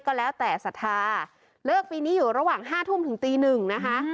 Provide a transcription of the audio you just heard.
ก็แล้วแต่ศรัทธาเลิกปีนี้อยู่ระหว่าง๕ทุ่มถึงตีหนึ่งนะคะ